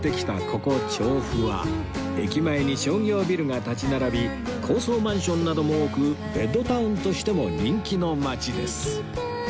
ここ調布は駅前に商業ビルが立ち並び高層マンションなども多くベッドタウンとしても人気の街です